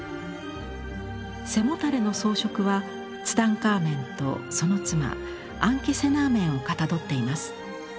背もたれの装飾はツタンカーメンとその妻アンケセナーメンをかたどっています。